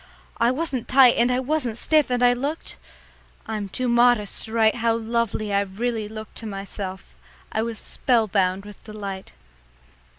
I wasn't tight and I wasn't stiff, and I looked I'm too modest to write how lovely I really looked to myself. I was spellbound with delight.